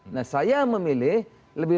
nah saya memilih lebih